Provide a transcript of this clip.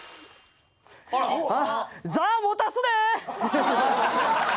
座持たすで！